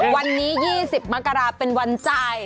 วันนี้๒๐มกราเป็นวันจ่าย